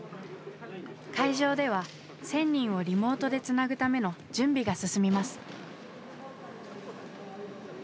会場では１，０００人をリモートでつなぐための準備が進みます。